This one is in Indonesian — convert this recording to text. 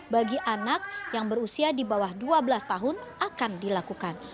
bagi anak yang berusia di bawah dua belas tahun akan dilakukan